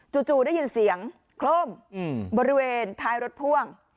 จู่ได้ยินเสียงโคร่มบริเวณท้ายรถพ่วง